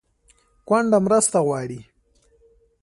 کونډه مرسته غواړي